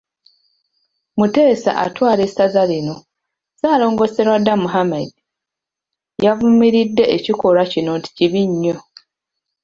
Muteesa atwala essaza lino, Ssaalongo Sserwadda Muhammed, yavumiridde ekikolwa kino nti kibi nyo.